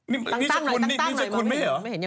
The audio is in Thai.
นิชคุณมั้ย